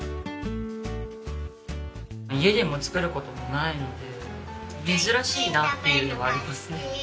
家でも作る事もないので珍しいなっていうのはありますね。